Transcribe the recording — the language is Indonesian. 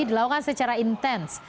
dilakukan secara intens